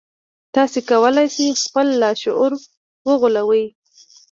تاسې کولای شئ خپل لاشعور وغولوئ